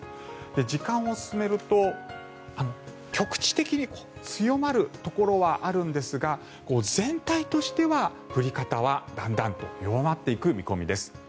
時間を進めると局地的に強まるところはあるんですが全体としては降り方はだんだんと弱まっていく見込みです。